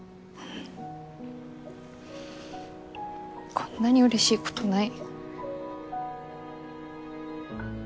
こんなにうれしいことない。